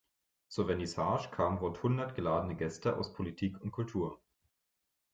Zur Vernissage kamen rund hundert geladene Gäste aus Politik und Kultur.